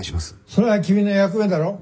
「それは君の役目だろう。